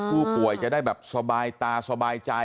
ผู้ป่วยจะได้แบบสบายตาสบายใจ